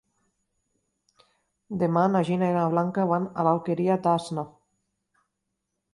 Demà na Gina i na Blanca van a l'Alqueria d'Asnar.